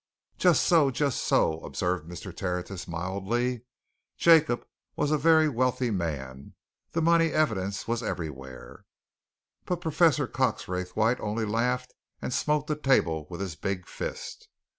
"Just so, just so!" observed Mr. Tertius mildly. "Jacob was a very wealthy man the money evidence was everywhere." But Professor Cox Raythwaite only laughed and smote the table with his big fist.